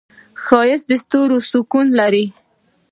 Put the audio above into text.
ښایست د ستورو سکون لري